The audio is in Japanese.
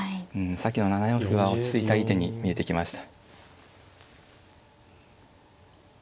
さっきの７四歩が落ち着いたいい手に見えてきました。